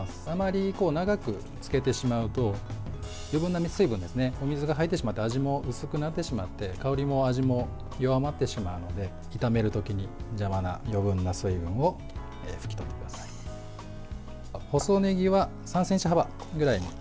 あまり長くつけてしまうと余分な水分お水が入ってしまって味も薄くなってしまって香りも味も弱まってしまうので炒めるときに、邪魔な余分な水分を拭き取ってください。